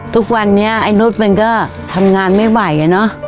ทุกวันนี้ไอ้นุษย์มันก็ทำงานไม่ไหวอะเนอะ